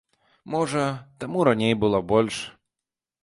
Можа, таму раней было больш.